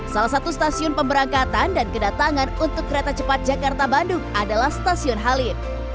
salah satu stasiun pemberangkatan dan kedatangan untuk kereta cepat jakarta bandung adalah stasiun halim